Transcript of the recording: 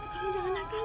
kamu jangan agak dulu